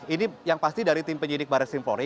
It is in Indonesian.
ini yang pasti dari tim penyidik barik reskrim polri